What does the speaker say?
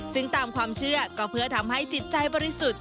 ซึ่งตามความเชื่อก็เพื่อทำให้จิตใจบริสุทธิ์